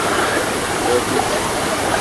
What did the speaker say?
Öldün sen!